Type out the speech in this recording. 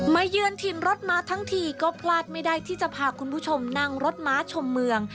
เยือนถิ่นรถม้าทั้งทีก็พลาดไม่ได้ที่จะพาคุณผู้ชมนั่งรถม้าชมเมือง